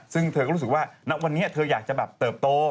ซึ่งเธอก็รู้สึกว่าณวันนี้เธออยากจะแบบเติบโต